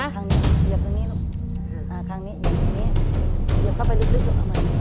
ค่อยเก้าทีละข้างนะลูกนะ